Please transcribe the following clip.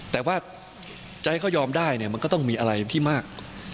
แต่ว่าจะก็ยอมได้แล้วมันก็ต้องมีอะไรที่มาก